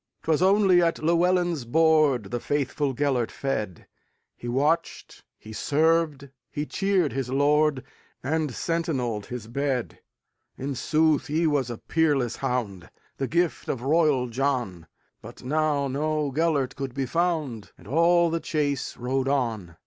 'T was only at Llewelyn's boardThe faithful Gêlert fed; He watched, he served, he cheered his lord, And sentineled his bed.In sooth he was a peerless hound, The gift of royal John; But now no Gêlert could be found, And all the chase rode on.